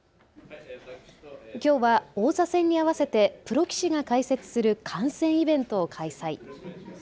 きょうは王座戦にあわせてプロ棋士が解説する観戦イベントを開催。